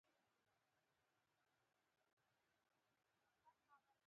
قلم د روڼ اندو دوستانه وسله ده